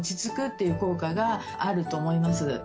っていう効果があると思います。